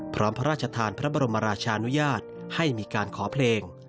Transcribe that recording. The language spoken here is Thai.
พร้อมพระราชธานพระบรมราชนุญาตให้ขอเพลง